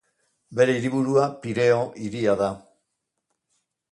Bere hiriburua Pireo hiria da.